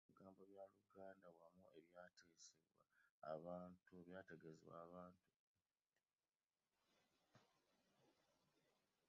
Tewaliiwo bigambo bya Luganda wawu ebitegeeza ebintu ebyaleetebwa Abazungu.